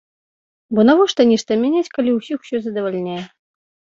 Бо навошта нешта мяняць, калі ўсіх усё задавальняе?